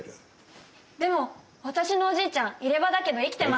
でも私のおじいちゃん入れ歯だけど生きてます。